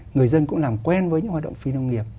người dân cũng làm quen với những hoạt động phi nông nghiệp